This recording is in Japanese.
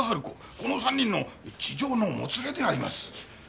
この３人の痴情のもつれであります。